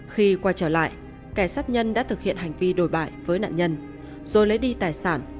khi quay trở lại kẻ sát nhân đã thực hiện hành vi đồi bại với nạn nhân rồi lấy đi tài sản